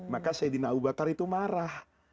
maka sayyidina abu bakar itu marah